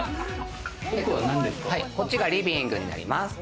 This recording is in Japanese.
こっちがリビングになります。